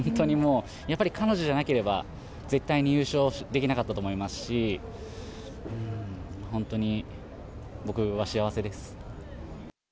彼女じゃなければ絶対に優勝できなかったと思いますし、僕は本当に幸せです。